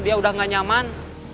dia udah gak nyaman